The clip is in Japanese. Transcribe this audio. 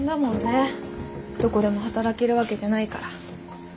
どこでも働けるわけじゃないから。